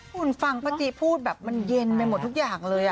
คุณฟังป้าจีพูดแบบมันเย็นไปหมดทุกอย่างเลย